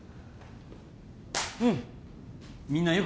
うん